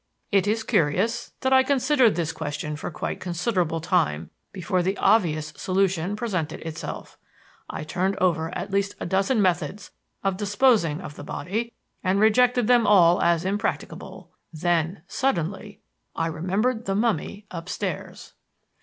"It is curious that I considered this question for a quite considerable time before the obvious solution presented itself. I turned over at least a dozen methods of disposing of the body, and rejected them all as impracticable. Then, suddenly, I remembered the mummy upstairs.